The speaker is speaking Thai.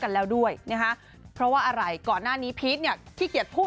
แล้วด้วยนะคะเพราะว่าอะไรก่อนหน้านี้พีชเนี่ยขี้เกียจพูด